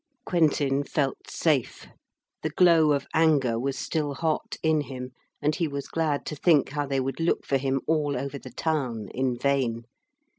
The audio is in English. Quentin felt safe. The glow of anger was still hot in him, and he was glad to think how they would look for him all over the town, in vain.